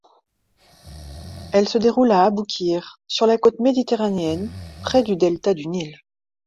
Elle se déroule à Aboukir, sur la côte méditerranéenne, près du delta du Nil.